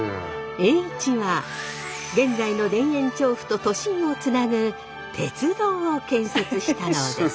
栄一は現在の田園調布と都心をつなぐ鉄道を建設したのです。